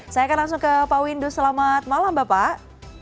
saya akan langsung ke pak windu selamat malam bapak